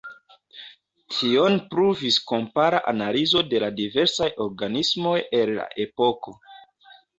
Tion pruvis kompara analizo de la diversaj organismoj el la epoko.